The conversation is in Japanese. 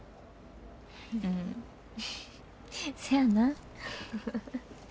うんせやな。